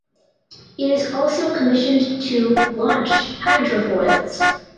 It is also commissioned to launch hydrofoils.